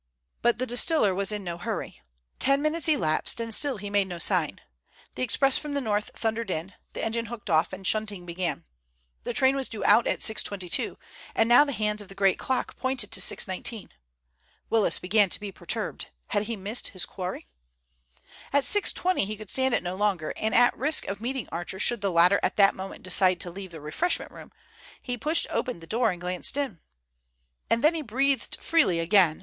But the distiller was in no hurry. Ten minutes elapsed, and still he made no sign. The express from the north thundered in, the engine hooked off, and shunting began. The train was due out at 6.22, and now the hands of the great clock pointed to 6.19. Willis began to be perturbed. Had he missed his quarry? At 6.20 he could stand it no longer, and at risk of meeting Archer, should the latter at that moment decide to leave the refreshment room, he pushed open the door and glanced in. And then he breathed freely again.